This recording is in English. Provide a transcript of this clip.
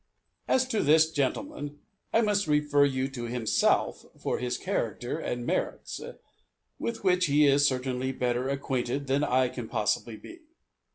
As to this gentleman, I must refer you to himself for his character and merits, with which he is certainly better acquainted than I can possibly be.